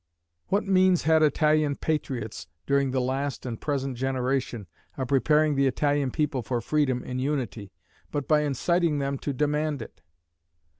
What means had Italian patriots, during the last and present generation, of preparing the Italian people for freedom in unity, but by inciting them to demand it?